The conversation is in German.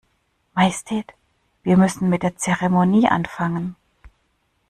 Majestät, wir müssen mit der Zeremonie anfangen.